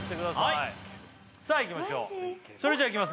はいさあいきましょうそれじゃいきます